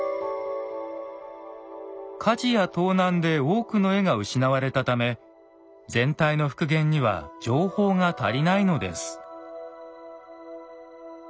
火事や盗難で多くの絵が失われたため全体の復元には情報が足りないのです。